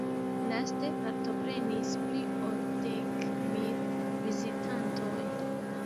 Laste partoprenis pli ol dek mil vizitantoj.